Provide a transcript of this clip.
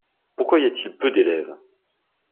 Pourquoi y-a-t'il peu d'élèves?